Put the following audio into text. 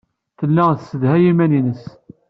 Tella tessedhay iman-nnes.